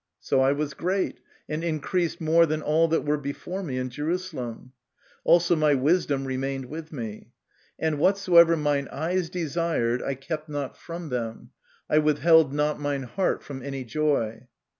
So I was great, and increased more than all that were before me in Jeru salem : also my wisdom remained with me. And whatsoever mine eyes desired I kept not from them, I withheld not mine heart from any joy.